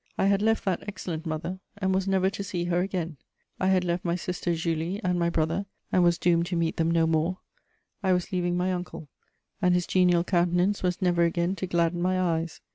I had left that excellent mother, and was never to see her again; I had left my sister Julie and my brother, and was doomed to meet them no more; I was leaving my uncle, and his genial countenance was never again to gladden my eyes.